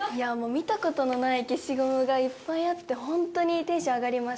見た事のない消しゴムがいっぱいあってホントにテンション上がりました。